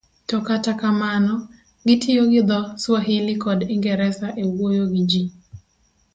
to kata kamano gitiyo gi dho Swahili kod Ingresa e wuoyo gi ji.